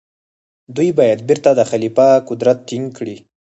دوی باید بيرته د خليفه قدرت ټينګ کړي.